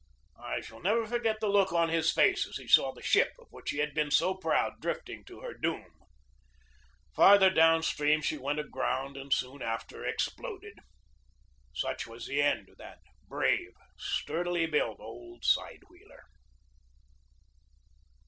I shall never forget the look on his face as he saw his ship of which he had been so proud drifting to her doom. Farther downstream 104 GEORGE DEWEY she went aground and soon after exploded. Such was the end of that brave, sturdily built old side wheeler.